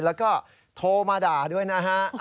แล้วก็โทรมาด่าด้วยนะฮะ